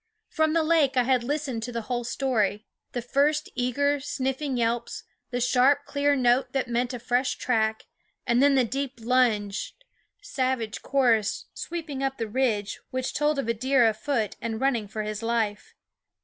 From the lake I had listened to the whole story, the first eager, sniffing yelps, the sharp, clear note that meant a fresh track, and then the deep lunged, savage 9 SCHOOL OF dfie G/adsome chorus sweeping up the ridge, which told of a deer afoot and running for his life.